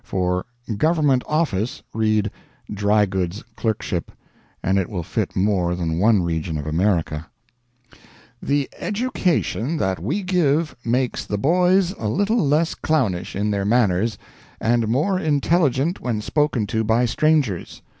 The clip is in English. For "Government office" read "drygoods clerkship" and it will fit more than one region of America: "The education that we give makes the boys a little less clownish in their manners, and more intelligent when spoken to by strangers.